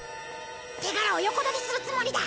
手柄を横取りするつもりだ！